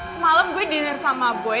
semalam gue denger sama boy